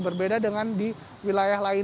berbeda dengan di wilayah lain